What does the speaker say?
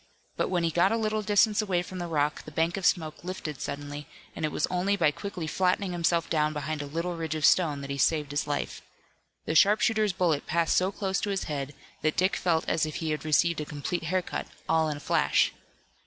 But when he got a little distance away from the rock the bank of smoke lifted suddenly, and it was only by quickly flattening himself down behind a little ridge of stone that he saved his life. The sharpshooter's bullet passed so close to his head that Dick felt as if he had received a complete hair cut, all in a flash.